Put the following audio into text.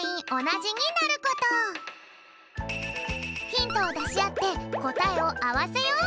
ヒントをだしあってこたえをあわせよう！